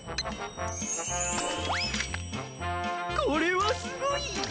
これはすごい！